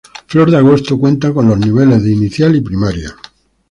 Flor de Agosto cuenta con los niveles de inicial y primaria.